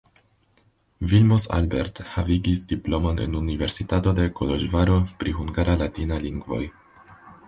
Vilmos Albert havigis diplomon en Universitato de Koloĵvaro pri hungara-latina lingvoj.